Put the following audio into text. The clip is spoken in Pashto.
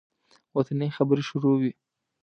وطني خبرې شروع شوې.